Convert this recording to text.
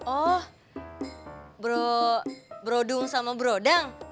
oh brodung sama brodang